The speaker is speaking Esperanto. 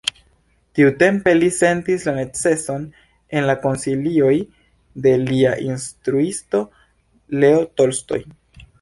Tiutempe li sentis la neceson en la konsilioj de lia instruisto Leo Tolstoj.